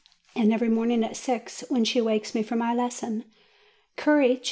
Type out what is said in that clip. and every morning at six, when she wakes me for my lesson, "Courage!